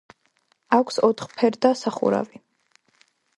აქვს ოთხფერდა სახურავი.